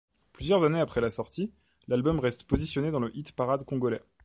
Plusieurs années après la sortie, l'album reste positionné dans le hit parade congolais.